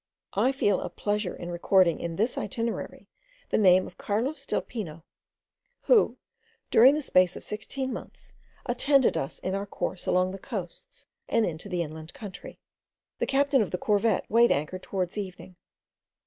I feel a pleasure in recording in this itinerary the name of Carlos del Pino, who, during the space of sixteen months, attended us in our course along the coasts, and into the inland country. The captain of the corvette weighed anchor towards evening.